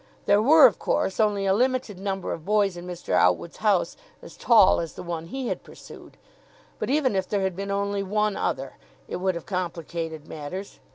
There were, of course, only a limited number of boys in Mr. Outwood's house as tall as the one he had pursued; but even if there had been only one other, it would have complicated matters.